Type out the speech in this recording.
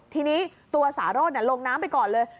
ทีนี้ตัวสารสลงน้ำไปก่อนเลย